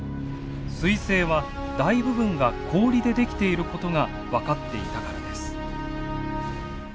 彗星は大部分が氷で出来ていることが分かっていたからです。